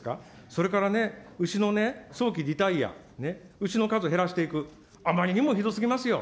それからね、牛のね、早期リタイア、ね、牛の数減らしていく、あまりにもひどすぎますよ。